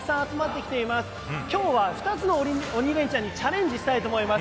今日は２つの鬼レンチャンにチャレンジしたいと思います。